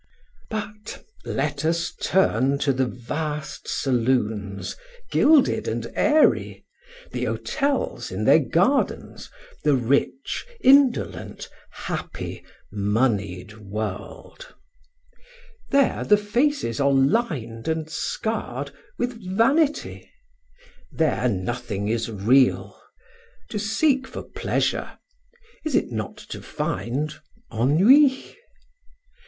But let us turn to the vast saloons, gilded and airy; the hotels in their gardens, the rich, indolent, happy moneyed world. There the faces are lined and scarred with vanity. There nothing is real. To seek for pleasure is it not to find ennui?